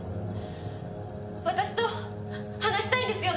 私と話したいんですよね。